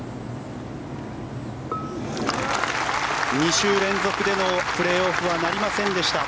２週連続でのプレーオフはなりませんでした。